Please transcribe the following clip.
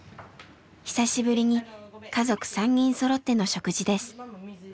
久しぶりに家族３人そろっての食事です。